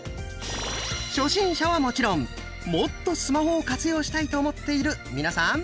初心者はもちろんもっとスマホを活用したいと思っている皆さん！